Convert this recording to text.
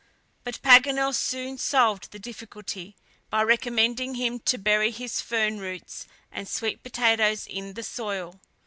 But Paganel soon solved the difficulty by recommending him to bury his fern roots and sweet potatoes in the soil.